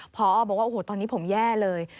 พอบอกว่าโอ้โหตอนนี้ผมแย่เลย